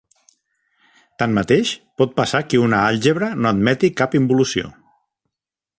Tanmateix, pot passar que una àlgebra no admeti cap involució.